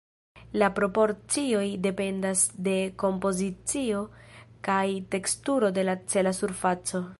La proporcioj dependas de kompozicio kaj teksturo de la cela surfaco.